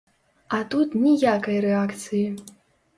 А тут ніякай рэакцыі.